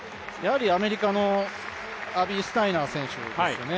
アメリカのアビー・スタイナー選手ですよね。